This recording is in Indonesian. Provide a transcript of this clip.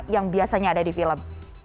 yang biasanya ada di film